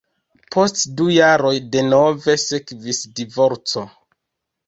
Post du jaroj denove sekvis divorco.